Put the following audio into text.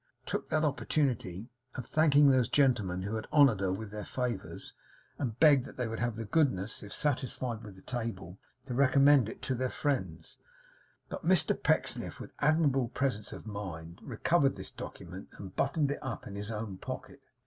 T. took that opportunity of thanking those gentlemen who had honoured her with their favours, and begged they would have the goodness, if satisfied with the table, to recommend her to their friends. But Mr Pecksniff, with admirable presence of mind, recovered this document, and buttoned it up in his own pocket.